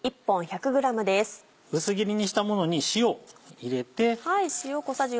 薄切りにしたものに塩入れて。